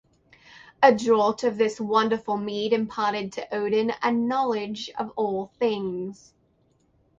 A draught of this wonderful mead imparted to Odin a knowledge of all things.